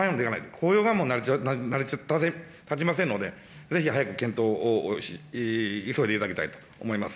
雇用がもう成り立ちませんので、ぜひ早く検討を急いでいただきたいと思います。